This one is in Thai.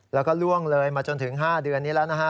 แล้วก็ล่วงเลยมาจนถึง๕เดือนนี้แล้วนะฮะ